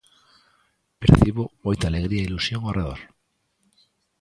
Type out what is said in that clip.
Percibo moita alegría e ilusión ao redor.